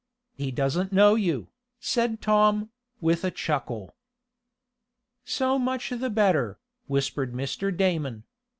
He doesn't know you," said Tom, with a chuckle. "So much the better," whispered Mr. Damon.